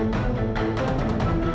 kita harus ke rumah